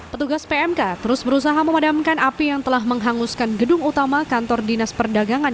petugas pmk terus berusaha memadamkan api yang telah menghanguskan gedung utama kantor dinas perdagangan